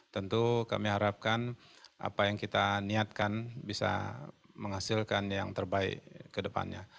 tentu kami harapkan apa yang kita niatkan bisa menghasilkan yang terbaik ke depannya